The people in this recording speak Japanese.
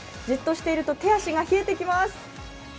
じっとしていると手足が冷えてきます。